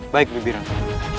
baik bibi ratu